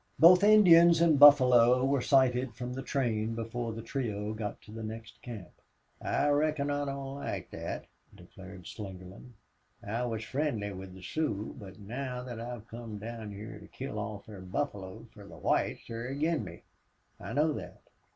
Both Indians and buffalo were sighted from the train before the trio got to the next camp. "I reckon I don't like thet," declared Slingerland. "I was friendly with the Sioux. But now thet I've come down hyar to kill off their buffalo fer the whites they're ag'in' me. I know thet.